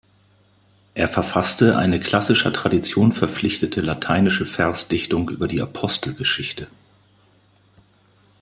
Er verfasste eine klassischer Tradition verpflichtete lateinische Versdichtung über die Apostelgeschichte.